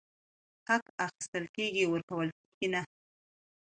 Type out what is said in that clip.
حق اخيستل کيږي، ورکول کيږي نه !!